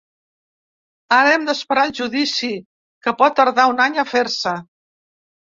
Ara hem d’esperar el judici, que pot tardar un any a fer-se.